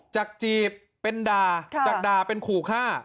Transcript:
จากจีบเป็นด่าจากด่าเป็นขู่ฆ่า